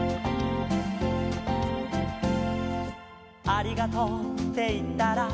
「ありがとうっていったら」